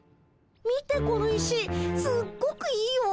見てこの石すっごくいいよ。